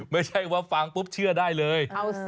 ไม่ใช่ว่าฟังปุ๊บเชื่อได้เลย